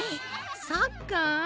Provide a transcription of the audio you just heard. サッカー？